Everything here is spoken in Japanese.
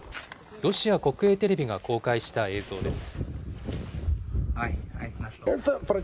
ロシア国営テレビが公開した映像です。